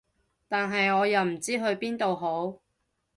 但係我又唔知去邊度好